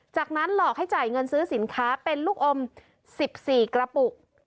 จากนั้นหลอกให้จ่ายเงินซื้อสินค้าเป็นลูกอม๑๔กระปุก